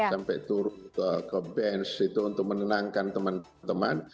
sampai turun ke bench itu untuk menenangkan teman teman